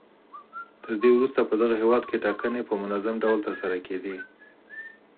تر دې وروسته په دغه هېواد کې ټاکنې په منظم ډول ترسره کېدې.